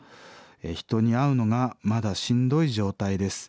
「人に会うのがまだしんどい状態です。